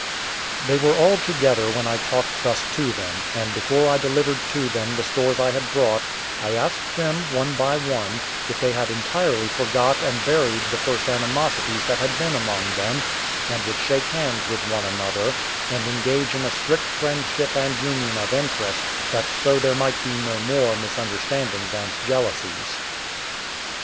They were all together when I talked thus to them; and before I delivered to them the stores I had brought, I asked them, one by one, if they had entirely forgot and buried the first animosities that had been among them, and would shake hands with one another, and engage in a strict friendship and union of interest, that so there might be no more misunderstandings and jealousies.